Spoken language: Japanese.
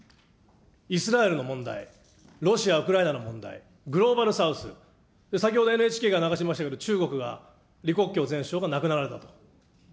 イスラエルの問題、ロシア、ウクライナの問題、グローバル・サウス、先ほどＮＨＫが流しましたけど、中国が、李克強前首相が亡くなられたと。